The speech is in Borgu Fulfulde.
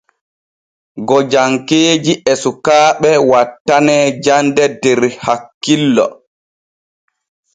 Gojankeeji e sukaaɓe wattanee jande der hakkillo.